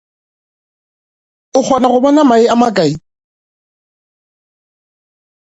O kgona go bona mae a makae?